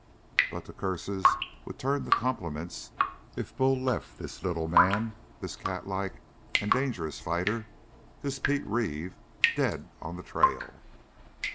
But the curses would turn to compliments if Bull left this little man, this catlike and dangerous fighter, this Pete Reeve, dead on the trail.